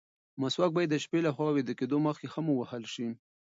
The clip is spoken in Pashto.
مسواک باید د شپې له خوا د ویده کېدو مخکې هم ووهل شي.